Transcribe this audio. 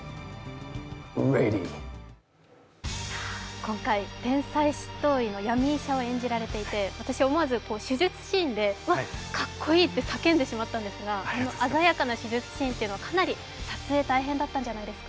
今回、天才執刀医の闇医者を演じられていて思わず手術シーンでかっこいいと叫んでしまったんですが鮮やかな手術シーンというのは撮影、かなり大変だったんじゃないですか？